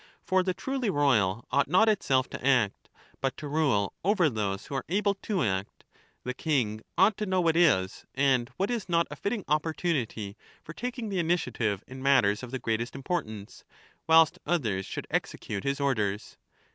For the truly ro3ral ought not itself to act, but to rule over those who are able to act; the king ought to know what is and what is not a fitting opportunity for taking the initiative in matters of the greatest importance, whilst others should execute his orders.